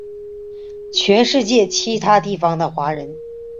全世界其他地方的华人